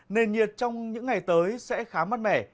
nền nhiệt trong những ngày tới sẽ khá mát mẻ